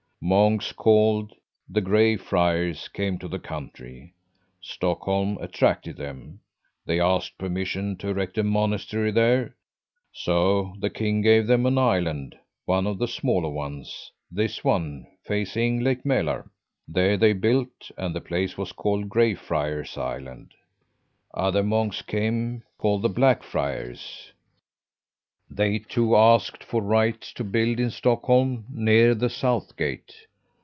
Monks called the Gray Friars came to the country. Stockholm attracted them. They asked permission to erect a monastery there, so the king gave them an island one of the smaller ones this one facing Lake Mälar. There they built, and the place was called Gray Friars' Island. Other monks came, called the Black Friars. They, too, asked for right to build in Stockholm, near the south gate.